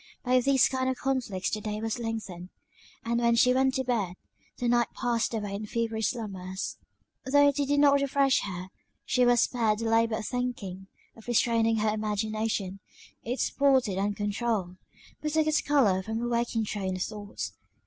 By these kind of conflicts the day was lengthened; and when she went to bed, the night passed away in feverish slumbers; though they did not refresh her, she was spared the labour of thinking, of restraining her imagination; it sported uncontrouled; but took its colour from her waking train of thoughts.